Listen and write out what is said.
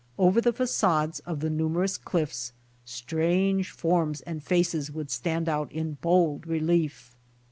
Over the facades of the numerous cliffs, strange forms and faces would stand out in bold relief.